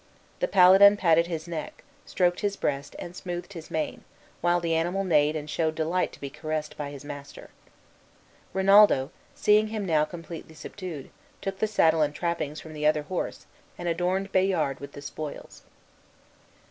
The paladin patted his neck, stroked his breast, and smoothed his mane, while the animal neighed and showed delight to be caressed by his master. Rinaldo, seeing him now completely subdued, took the saddle and trappings from the other horse, and adorned Bayard with the spoils.